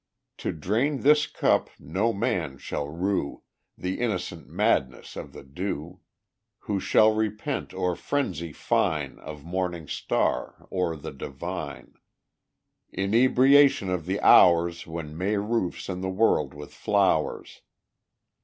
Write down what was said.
To drain this cup no man shall rue The innocent madness of the dew Who shall repent, or frenzy fine Of morning star, or the divine Inebriation of the hours When May roofs in the world with flowers!